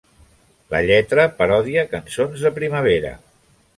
La lletra parodia cançons de primavera.